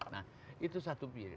nah itu satu pilih